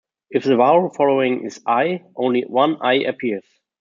If the vowel following is "i", only one "i" appears.